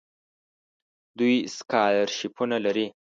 دوی سکالرشیپونه لري.